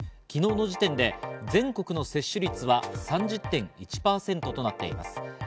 昨日の時点で全国の接種率は３０．１％となっています。